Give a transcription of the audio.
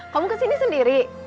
kamu kesini sendiri